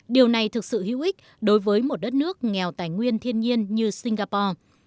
điều này thực sự hữu ích đối với một đất nước nghèo tài nguyên thiên nhiên như singapore